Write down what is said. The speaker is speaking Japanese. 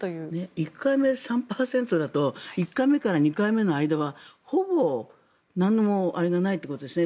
１回目、３％だと１回目から２回目の間はほぼ、なんのあれもないということですね。